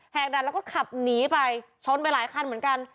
ดันแล้วก็ขับหนีไปชนไปหลายคันเหมือนกัน